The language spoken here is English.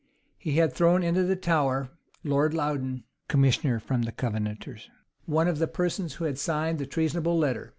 He had thrown into the Tower Lord Loudon, commissioner from the Covenanters, one of the persons who had signed the treasonable letter.